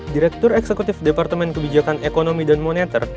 direktur eksekutif departemen kebijakan ekonomi dan moneter